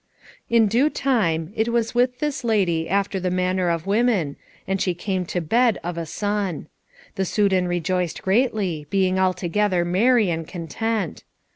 In due time it was with this lady after the manner of women, and she came to bed of a son. The Soudan rejoiced greatly, being altogether merry and content.